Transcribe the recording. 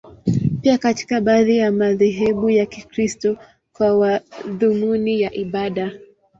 Pia katika baadhi ya madhehebu ya Kikristo, kwa madhumuni ya ibada.